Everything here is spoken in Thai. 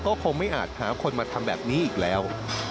ก็คงไม่อาจหาคนมาทำแบบนี้อีกแล้ว